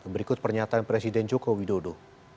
berikut pernyataan presiden joko widodo